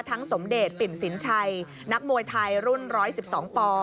สมเดชปิ่นสินชัยนักมวยไทยรุ่น๑๑๒ป